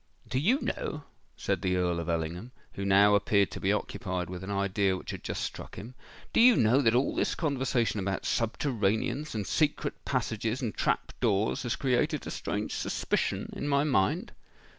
"Do you know," said the Earl of Ellingham, who now appeared to be occupied with an idea which had just struck him,—"do you know that all this conversation about subterraneans, and secret passages, and trap doors, has created a strange suspicion in my mind?"